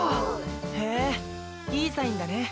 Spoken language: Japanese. へぇいいサインだね。